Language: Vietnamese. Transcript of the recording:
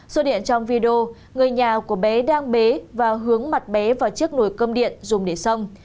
xô điện trong video người nhà của bé đang bế và hướng mặt bé vào chiếc nồi cơm điện dùng để xong